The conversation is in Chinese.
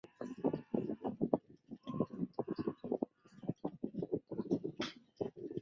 治所在溢乐县。